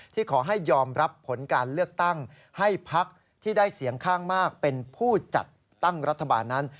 ที่ขอให้ยอมรับผลการเลือกตั้งให้พักที่ได้เสียงข้างมากเป็นผู้จัดตั้งรัฐบาลนั้น